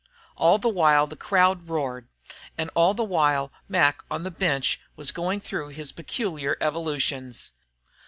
All the while the crowd roared, and all the while Mac on the bench was going through his peculiar evolutions.